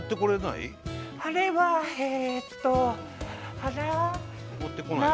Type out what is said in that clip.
あれはえっとあら？